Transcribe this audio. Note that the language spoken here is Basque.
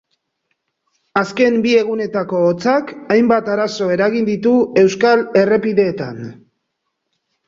Azken bi egunetako hotzak hainbat arazo eragin ditu euskal errepideetan.